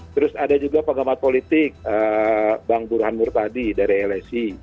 terus ada juga pengamat politik bang burhanmurtadi dari lsi